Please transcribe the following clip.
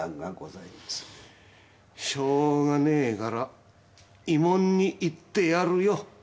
しょうがねえから慰問に行ってやるよ。